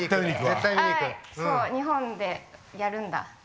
日本でやるんだ。